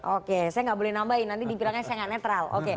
oke saya tidak boleh menambahin nanti dipilangnya saya tidak netral